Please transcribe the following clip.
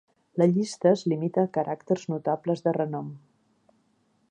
La llista es limita a caràcters notables de renom.